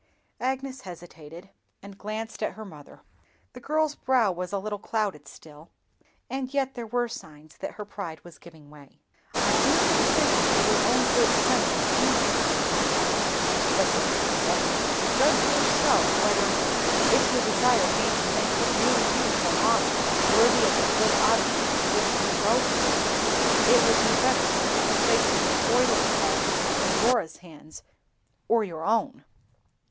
Agnes hesitated, and glanced at her mother. The girl's brow was a little clouded still, and yet there were signs that her pride was giving way. "I leave the decision to your own good sense and feeling, my love," said Mrs. Temple. "Judge yourself whether, if your desire be to make a really beautiful model worthy of the good object to which we devote it, it would be better to place the embroidery part in Dora's hands or your own."